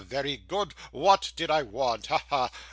Very good. WHAT did I want. Ha, ha.